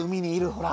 ほら。